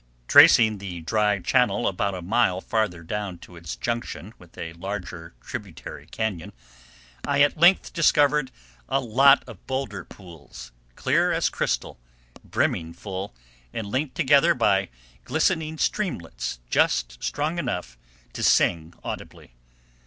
Tracing the dry channel about a mile farther down to its junction with a larger tributary cañon, I at length discovered a lot of boulder pools, clear as crystal, brimming full, and linked together by glistening streamlets just strong enough to sing audibly.